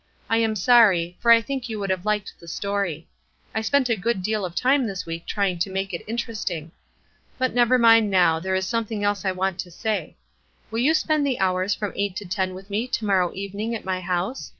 I am sorry, for I think you would have liked the story. I spent a good deal of time this week trying to make it interesting. But never mind now, there is something else I want to say. Will you spend the hours from eight to ten with me to morrow evening at my house?